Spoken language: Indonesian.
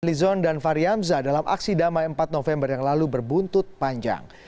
lizon dan fahri hamzah dalam aksi damai empat november yang lalu berbuntut panjang